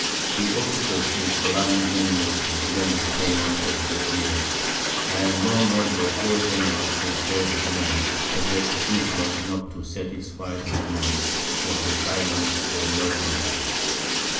The officers, with an alarming unanimity, demanded payment of their arrears; and none of the four generals who shared the command, possessed influence enough to satisfy these demands, or to silence the malcontents.